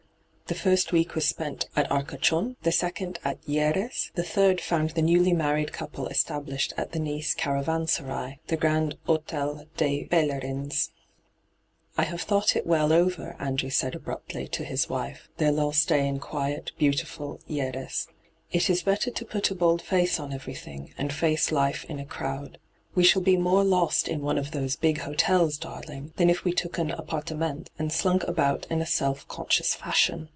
The firet week was spent at Arcachon ; the second at Hy^res ; the third found the newly married couple estab lished at the Kioe caravanserai, the Grand Hdtel des P^lerina ' I have thought it well over,' Andrew said abruptly, to his wife, their last day in quiet, beautiful Hy^res. ' It is better to put a bold iace on everything, and face life in a crowd. We shall be more lost in one of those big hotels, darling, than if we took an a/pparte ment and slunk about in a self conscious fashion.